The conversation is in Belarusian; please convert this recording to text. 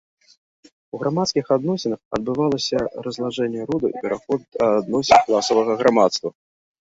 У грамадскіх адносінах адбывалася разлажэнне роду і пераход да адносін класавага грамадства.